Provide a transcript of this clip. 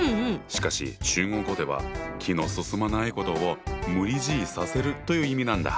しかし中国語では気の進まないことを「無理強いさせる」という意味なんだ。